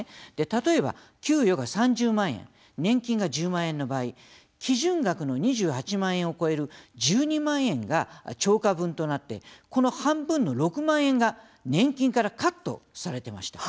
例えば、給与が３０万円年金が１０万円の場合基準額の２８万円を超える１２万円が超過分となってこの半分の６万円が年金からカットされていました。